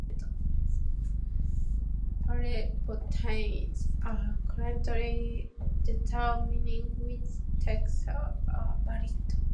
Paleobotanists are currently determining which taxa are valid.